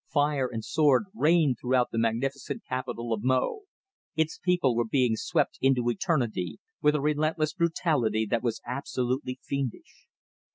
Fire and sword reigned throughout the magnificent capital of Mo; its people were being swept into eternity with a relentless brutality that was absolutely fiendish.